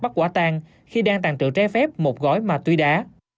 bắt quả tăng khi đang tàn trự trái phép một gói ma túy đá